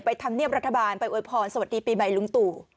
ธรรมเนียบรัฐบาลไปอวยพรสวัสดีปีใหม่ลุงตู่